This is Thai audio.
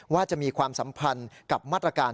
ว่าจะมีความสัมพันธ์กับมาตรการ